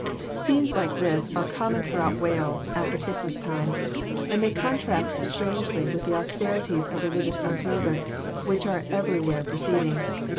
Scenes like this are common throughout Wales at the Christmas time; and they contrast strangely with the austerities of religious observance which are everywhere proceeding.